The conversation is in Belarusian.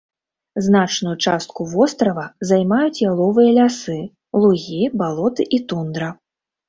Значную частку вострава займаюць яловыя лясы, лугі, балоты і тундра.